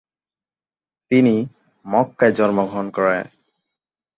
তিনি মক্কায় জন্মগ্রহণ করে।